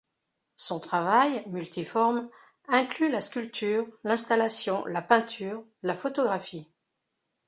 Son travail, multiforme, inclut la sculpture, l’installation, la peinture, la photographie.